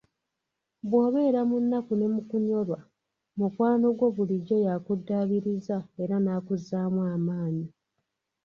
Bw'obeera mu nnaku ne mukunyolwa, mukwano gwo bulijjo yakuddaabiriza era nakuzzaamu amaanyi.